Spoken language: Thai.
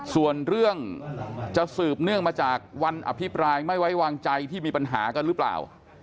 ส่วนเรื่องจะสืบเนื่องมาจากวันอภิปรายไม่ไว้วางใจที่มีปัญหากันหรือเปล่า